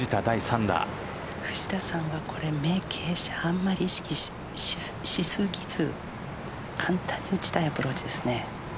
藤田さんは傾斜をあまり意識しすぎず簡単に打ちたいアプローチですね。